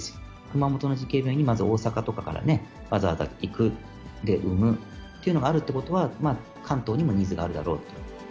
熊本の慈恵病院に、大阪とかからわざわざ行く、で、産むっていうのがあるということは、関東にもニーズがあるだろうと。